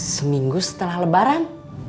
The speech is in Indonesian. seminggu setelah lebaran